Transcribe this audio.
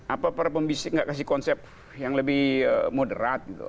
apa para pembisik nggak kasih konsep yang lebih moderat gitu